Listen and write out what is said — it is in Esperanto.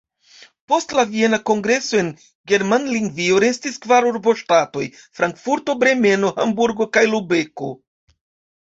Post la Viena Kongreso en Germanlingvio restis kvar urboŝtatoj: Frankfurto, Bremeno, Hamburgo kaj Lubeko.